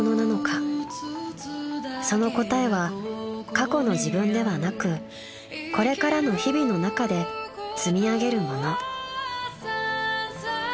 ［その答えは過去の自分ではなくこれからの日々の中で積み上げるもの］